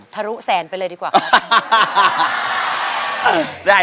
ทะลุแสนไปเลยดีกว่าครับ